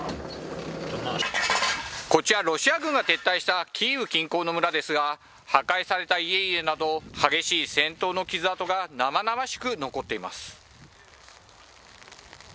こちら、ロシア軍が撤退したキーウ近郊の村ですが破壊された家々など激しい戦闘の傷痕が生々しく残っています。